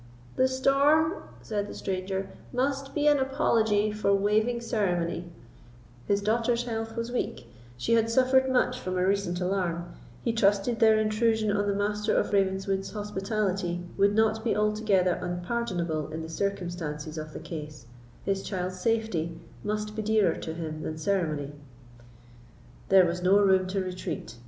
"The storm," said the stranger, "must be an apology for waiving ceremony; his daughter's health was weak, she had suffered much from a recent alarm; he trusted their intrusion on the Master of Ravenswood's hospitality would not be altogether unpardonable in the circumstances of the case: his child's safety must be dearer to him than ceremony." There was no room to retreat.